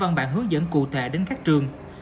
và các bạn hướng dẫn cụ thể đến các trường